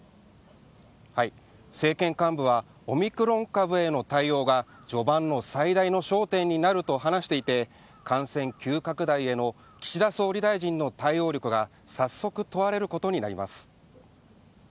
政権幹部は、オミクロン株への対応が、序盤の最大の焦点になると話していて、感染急拡大への岸田総理大臣の対応力が早速問われることになります。